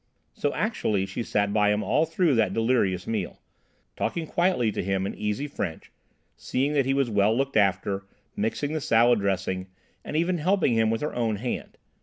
So actually she sat by him all through that delirious meal, talking quietly to him in easy French, seeing that he was well looked after, mixing the salad dressing, and even helping him with her own hand.